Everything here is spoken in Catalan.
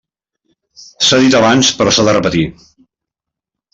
S'ha dit abans però s'ha de repetir.